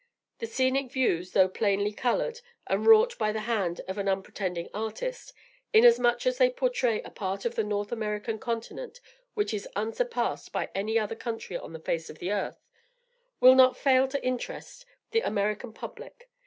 The scenic views, though plainly colored and wrought by the hand of an unpretending artist, inasmuch as they portray a part of the North American continent which is unsurpassed by any other country on the face of the earth, will not fail to interest the American public.